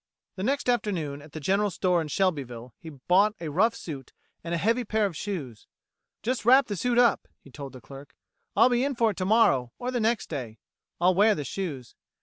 The next afternoon at the general store in Shelbyville he bought a rough suit, and a heavy pair of shoes. "Just wrap the suit up," he told the clerk, "I'll be in for it tomorrow, or the next day. I'll wear the shoes."